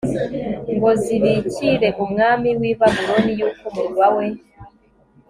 ngo zibikire umwami w i Babuloni yuko umurwa we